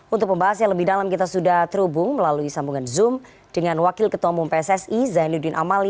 untuk pembahas yang lebih dalam kita sudah terhubung melalui sambungan zoom dengan wakil ketua umum pssi zainuddin amali